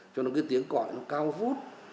cho nó cái tiếng cõi nó cao vút